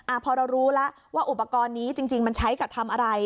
อ่าพอเรารู้ละว่าอุปกรณ์นี้จริงมันใช้กับทำอะไร